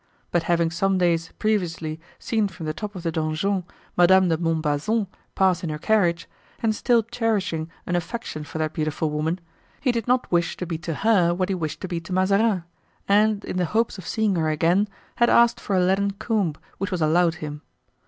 But having some days previously seen from the top of the donjon Madame de Montbazon pass in her carriage, and still cherishing an affection for that beautiful woman, he did not wish to be to her what he wished to be to Mazarin, and in the hope of seeing her again, had asked for a leaden comb, which was allowed him.